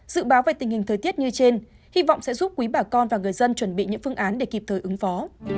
dự báo về tình hình thời tiết như trên hy vọng sẽ giúp quý bà con và người dân chuẩn bị những phương án để kịp thời ứng phó